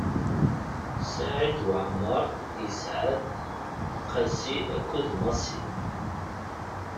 Saɛid Waɛmeṛ yesɛa-d: Qasi akked Massi.